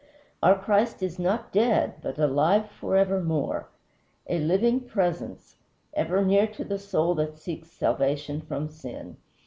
Our Christ is not dead, but alive forevermore! A living presence, ever near to the soul that seeks salvation from sin.